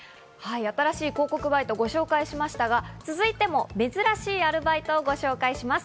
新しい広告バイトご紹介しましたが、続いても珍しいアルバイトをご紹介します。